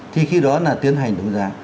thì khi đó là tiến hành đấu giá